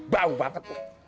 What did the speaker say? bau banget lo